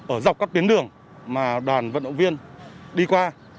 ở dọc các tuyến đường mà đoàn vận động viên đi qua